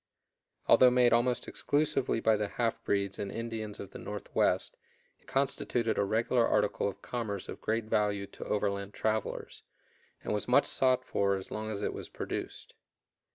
Although made almost exclusively by the half breeds and Indians of the Northwest it constituted a regular article of commerce of great value to overland travelers, and was much sought for as long as it was produced.